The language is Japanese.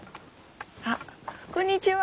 あこんにちは。